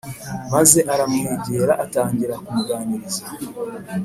maze aramwegera atangira kumuganiza